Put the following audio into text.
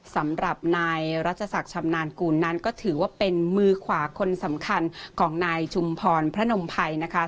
สำหรับนายรัชศักดิ์ชำนาญกูลนั้นก็ถือว่าเป็นมือขวาคนสำคัญของนายชุมพรพระนมภัยนะคะ